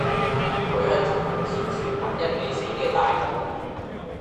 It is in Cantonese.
佢係中共前朝唯一未死既大佬